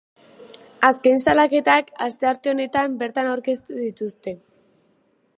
Azken salaketak astearte honetan bertan aurkeztu dituzte.